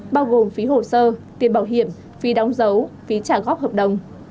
bao gồm phí hồ sơ tiền bảo hiểm phí đóng dấu phí trả góp hợp đồng